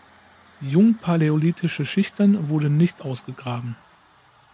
Jungpaläolithische Schichten wurden nicht ausgegraben.